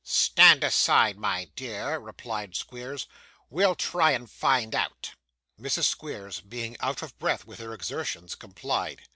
'Stand aside, my dear,' replied Squeers. 'We'll try and find out.' Mrs. Squeers, being out of breath with her exertions, complied.